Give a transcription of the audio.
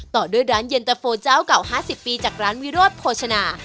ต่อด้วยร้านเย็นตะโฟเจ้าเก่า๕๐ปีจากร้านวิโรธโภชนา